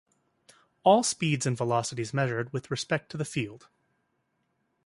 All speeds and velocities measured with respect to the field.